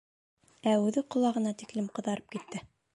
Ә үҙе ҡолағына тиклем ҡыҙарып китте.